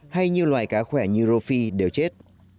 hay nhiều loại cá khỏe như rô phi đều chết